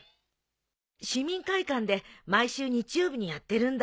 市民会館で毎週日曜日にやってるんだって。